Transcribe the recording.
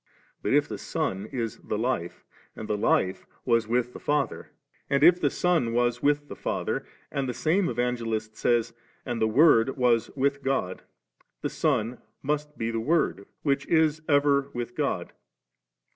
But if the Son is the Life, and the life was with the Father, and if the Son was with the Father, and the same Evan gelist says, 'And the Word was with GodV the Son must be the Word, which is ever with the Father.